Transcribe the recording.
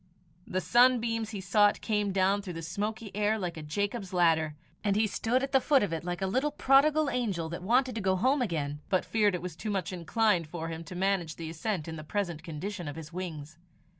The sunbeams he sought came down through the smoky air like a Jacob's ladder, and he stood at the foot of it like a little prodigal angel that wanted to go home again, but feared it was too much inclined for him to manage the ascent in the present condition of his wings.